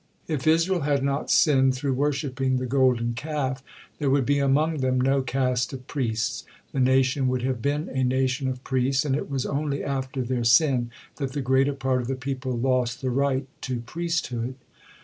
If Israel had not sinned through worshipping the Golden Calf, there would be among them no caste of priests, the nation would have been a nation of priests, and it was only after their sin that the greater part of the people lost the right to priesthood.